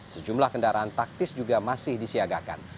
sejumlah kendaraan taktis juga masih disiagakan